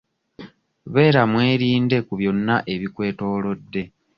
Beera mwerinde ku byonna ebikwetoolodde.